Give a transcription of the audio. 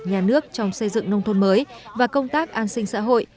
nhà nước trong xây dựng nông thôn mới và công tác an sinh xã hội